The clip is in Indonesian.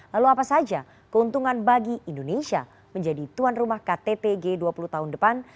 lalu apa saja keuntungan bagi indonesia menjadi tuan rumah ktt g dua puluh tahun depan